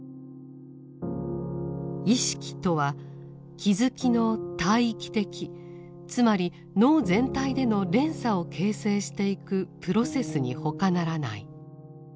意識とは気づきの大域的つまり脳全体での連鎖を形成していくプロセスに他ならない。